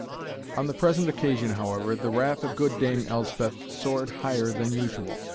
On the present occasion, however, the wrath of good Dame Elspeth soared higher than usual.